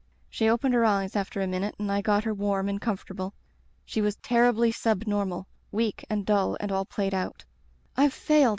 She opened her eyes after a minute and I got her warm and comfort able. She was terribly sub normal; weak and dull and all played out. "^Fve failed.